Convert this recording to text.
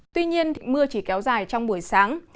tuy nhiên mưa chỉ kéo dài trong buổi sáng